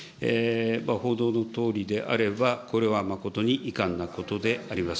報道のとおりであれば、これは誠に遺憾なことであります。